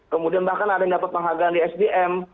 kemudian bahkan ada yang dapat penghargaan di sdm